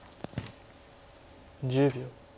１０秒。